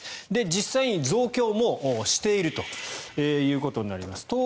実際に増強もしているということになります。